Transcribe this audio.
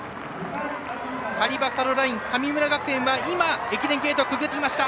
カリバ・カロライン、神村学園は駅伝ゲートをくぐりました。